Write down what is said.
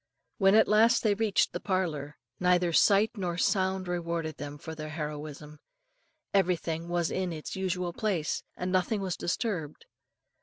When at last they reached the parlour, neither sight nor sound rewarded them for their heroism. Everything was in its usual place, and nothing was disturbed.